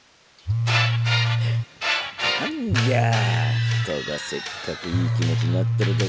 何じゃ人がせっかくいい気持ちになってる時に。